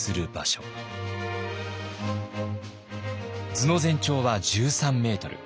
図の全長は１３メートル。